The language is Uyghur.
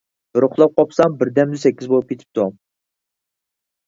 بىر ئۇخلاپ قوپسام، بىردەمدە سەككىز بولۇپ كېتىپتۇ.